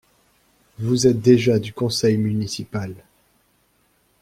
Vous êtes déjà du conseil municipal…